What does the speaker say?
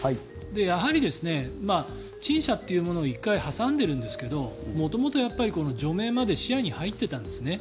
やはり、陳謝というものを１回挟んでるんですけど元々、除名まで視野に入っていたんですね。